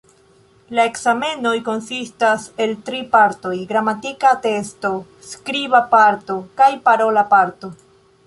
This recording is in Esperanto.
La ekzamenoj konsistas el tri partoj: gramatika testo, skriba parto kaj parola parto.